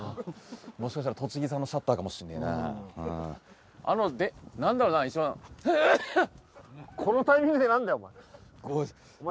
もしかしたら栃木産のシャッターかもしんねえなあの何だろな一番このタイミングで何だよお前お前